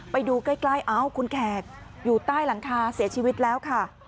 ไปดูใกล้เอ้าคุณแขกอยู่ใต้หลังคาเสียชีวิตแล้วค่ะ